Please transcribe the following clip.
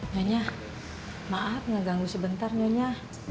nyonya maaf ngeganggu sebentar nyonya